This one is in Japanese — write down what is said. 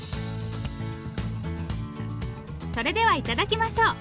それでは頂きましょう。